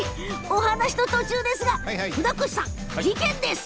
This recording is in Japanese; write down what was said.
お話の途中ですが船越さん、事件です！